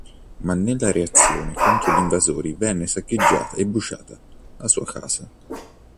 Ma nella reazione contro gli invasori venne saccheggiata e bruciata la sua casa.